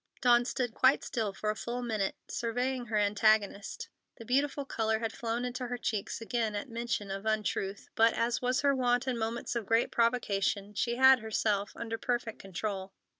Dawn stood quite still for a full minute, surveying her antagonist. The beautiful color had flown into her cheeks again at mention of untruth, but, as was her wont in moments of great provocation, she had herself under perfect control.